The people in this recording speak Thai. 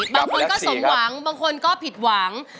บางคนก็สมหวังบางคนก็ผิดหวัง